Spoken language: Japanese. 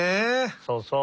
そうそう。